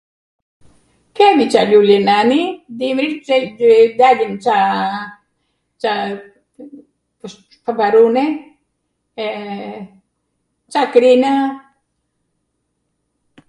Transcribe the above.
Kemi sa lule nani... dimrit dalin ca... paparune, ca krina...